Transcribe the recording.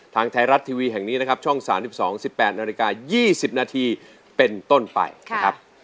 ทางไทยรัฐทีวีแห่งนี้นะครับช่อง๓๒๑๘นาฬิกา๒๐นาทีเป็นต้นไปนะครับ